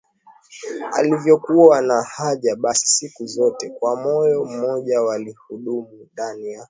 alivyokuwa na haja Basi siku zote kwa moyo mmoja walidumu ndani ya